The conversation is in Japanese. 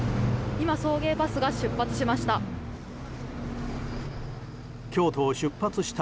今送迎バスが出発しました。